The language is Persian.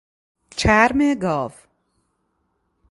چرم گاو